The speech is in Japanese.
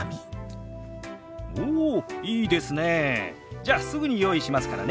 じゃすぐに用意しますからね。